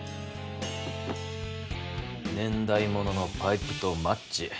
年代物のパイプとマッチ。